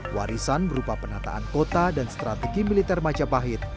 warisan berupa penataan kota dan strategi militer majapahit